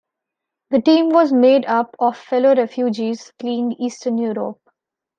The team was made up of fellow refugees fleeing Eastern Europe.